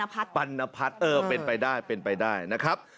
ปัณพัฒน์เออเป็นไปได้เป็นไปได้นะครับ